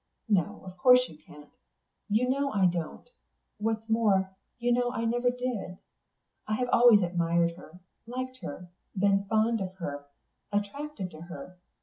No, of course you can't. You know I don't; what's more, you know I never did. I have always admired her, liked her, been fond of her, attracted to her.